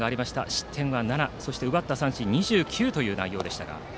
失点は７そして奪った三振は２９という内容でした。